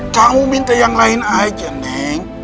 kamu minta yang lain aja ning